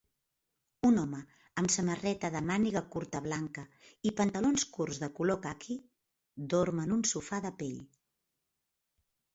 Un home amb samarreta de màniga curta blanca i pantalons curts de color caqui dorm en un sofà de pell